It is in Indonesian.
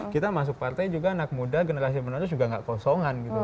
kita masuk partai juga anak muda generasi penerus juga gak kosongan gitu